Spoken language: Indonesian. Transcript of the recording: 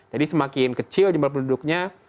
jadi semakin kecil jumlah penduduknya